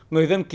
người dân kỳ